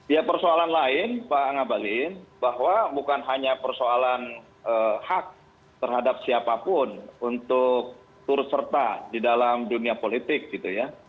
ya persoalan lain pak ngabalin bahwa bukan hanya persoalan hak terhadap siapapun untuk turut serta di dalam dunia politik gitu ya